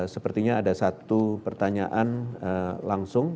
sepertinya ada satu pertanyaan langsung